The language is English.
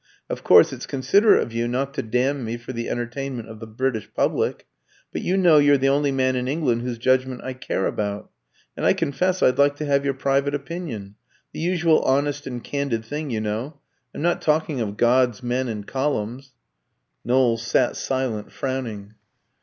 Of course, it's considerate of you not to damn me for the entertainment of the British public; but you know you're the only man in England whose judgment I care about, and I confess I'd like to have your private opinion the usual honest and candid thing, you know. I'm not talking of gods, men, and columns." Knowles sat silent, frowning.